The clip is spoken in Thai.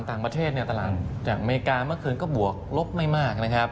ฯตาราแห่งเมริกาเมื่อคืนก็บวกลบไม่มากนะครับ